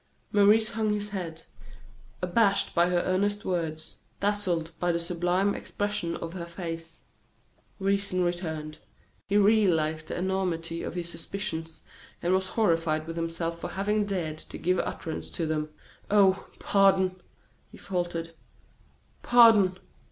Maurice hung his head, abashed by her earnest words, dazzled by the sublime expression of her face. Reason returned; he realized the enormity of his suspicions, and was horrified with himself for having dared to give utterance to them. "Oh! pardon!" he faltered, "pardon!"